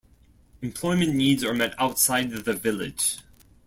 Employment needs are met outside the village.